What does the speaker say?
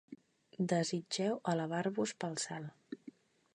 Desitgeu elevar-vos pel cel.